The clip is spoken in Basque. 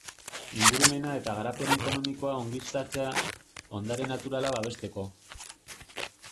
Ingurumena eta garapen ekonomikoa ongi uztatzea, ondare naturala babesteko.